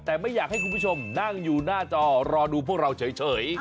แต่ไม่อยากให้คุณผู้ชมนั่งอยู่หน้าจอรอดูพวกเราเฉย